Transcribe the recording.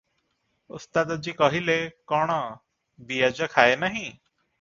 "ଓସ୍ତାଦଜୀ କହିଲେ, କଣ ବିଆଜ ଖାଏ ନାହିଁ?